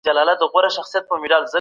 کمپيوټر ټايمټېبل جوړوي.